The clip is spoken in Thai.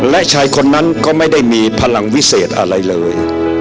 และชายคนนั้นก็ไม่ได้มีพลังวิเศษอะไรเลย